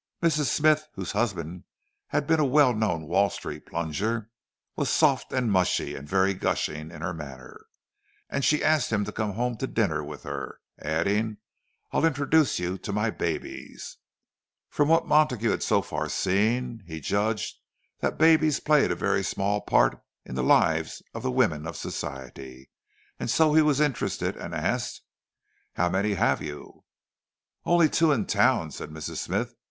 Mrs. Smythe, whose husband had been a well known Wall Street plunger, was soft and mushy, and very gushing in manner; and she asked him to come home to dinner with her, adding, "I'll introduce you to my babies." From what Montague had so far seen, he judged that babies played a very small part in the lives of the women of Society; and so he was interested, and asked, "How many have you?" "Only two, in town," said Mrs. Smythe.